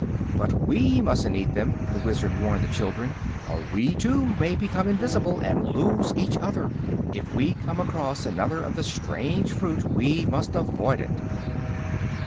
"But we mus'n't eat them," the Wizard warned the children, "or we too may become invisible, and lose each other. If we come across another of the strange fruit we must avoid it."